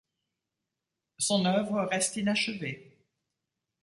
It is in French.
Son œuvre reste inachevée.